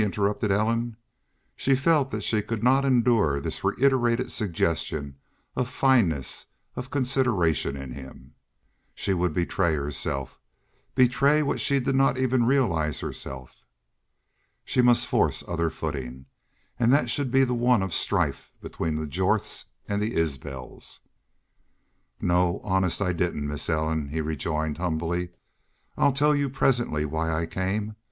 interrupted Ellen. She felt that she could not endure this reiterated suggestion of fineness, of consideration in him. She would betray herself betray what she did not even realize herself. She must force other footing and that should be the one of strife between the Jorths and Isbels. "No honest, I didn't, Miss Ellen," he rejoined, humbly. "I'll tell you, presently, why I came.